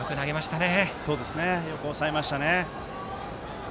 よく抑えましたね。